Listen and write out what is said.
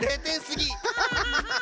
ハハハハ！